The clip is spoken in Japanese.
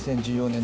２０１４年。